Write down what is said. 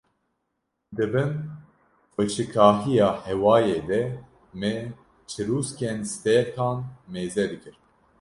di bin xweşikahiya hêwayê de me çirûskên stêrkan meze dikir